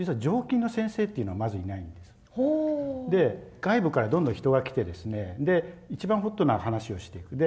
外部からどんどん人が来てですねで一番ホットな話をしていく。